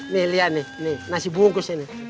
nih lihat nih nasi bungkus ini